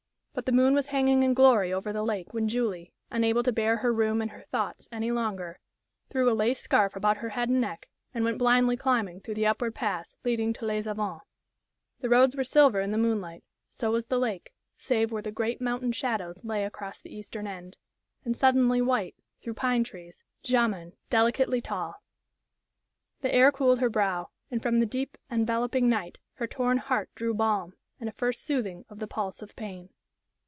But the moon was hanging in glory over the lake when Julie, unable to bear her room and her thoughts any longer, threw a lace scarf about her head and neck, and went blindly climbing through the upward paths leading to Les Avants. The roads were silver in the moonlight; so was the lake, save where the great mountain shadows lay across the eastern end. And suddenly, white, through pine trees, "Jaman, delicately tall!" The air cooled her brow, and from the deep, enveloping night her torn heart drew balm, and a first soothing of the pulse of pain.